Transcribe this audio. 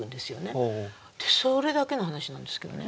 それだけの話なんですけどね。